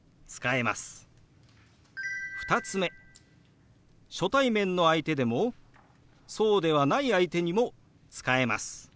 ２つ目初対面の相手でもそうではない相手にも使えます。